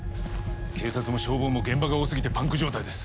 警察も消防も現場が多すぎてパンク状態です。